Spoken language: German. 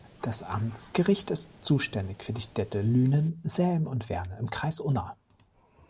Das Amtsgericht ist zuständig für die Städte Lünen, Selm und Werne im Kreis Unna.